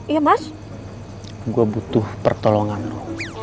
iya mas gua butuh pertolonganmu